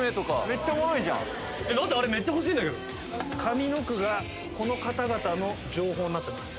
めっちゃ欲しいんだけど上の句がこの方々の情報になってます